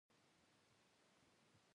د اوبو څښل یو طبیعي خوند لري.